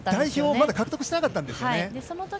代表をまだ獲得していなかったんですね。